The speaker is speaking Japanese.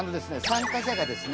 参加者がですね